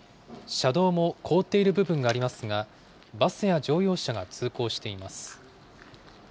車道も凍っている部分がありますが、バスや乗用車が通行しています。